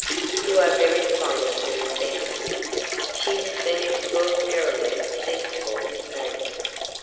"You are very fond of her, then." "She has been extraordinarily sensible with me."